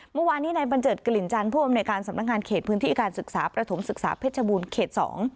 เมื่อวานนี้ในบัญเจิดกลิ่นจันทร์ผู้อำนวยการสำนักงานเขตพื้นที่การศึกษาประถมศึกษาเพชรบูรณ์เขต๒